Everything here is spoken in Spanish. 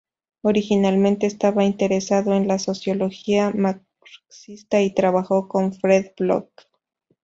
Originalmente estaba interesado en la sociología marxista y trabajó con Fred Block.